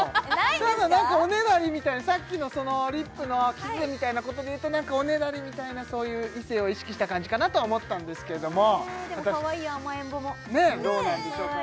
ただ何かおねだりみたいなさっきのリップのキスみたいなことで言うとおねだりみたいなそういう異性を意識した感じかなと思ったんですけれどもかわいいあまえんぼもどうなんでしょうか？